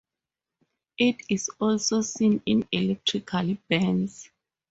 It is also seen in electrical burns.